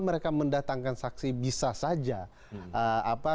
mereka mendatangkan saksi bisa saja